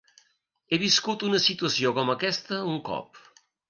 He viscut una situació com aquesta un cop.